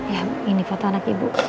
ya ini foto anak ibu